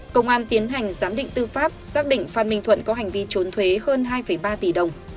công an tiến hành giám định tư pháp xác định phan minh thuận có hành vi trốn thuế hơn hai ba tỷ đồng